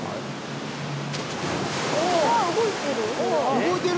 動いてる？